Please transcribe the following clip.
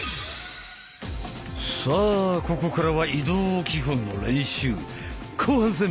さあここからは移動基本の練習後半戦！